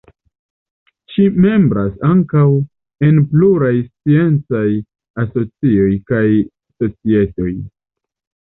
Ŝi membras ankaŭ en pluraj sciencaj asocioj kaj societoj.